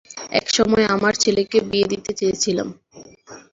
একসময় আমার ছেলেকে বিয়ে দিতে চেয়েছিলাম।